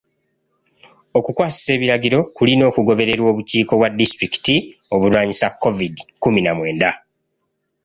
Okukwasisa ebiragiro kulina okugobererwa obukiiko bwa disitulikiti obulwanyisa COVID kkumi na mwenda.